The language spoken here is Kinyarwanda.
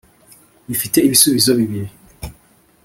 bufite ibisubizo bibiri